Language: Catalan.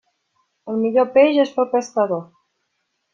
El millor peix és pel pescador.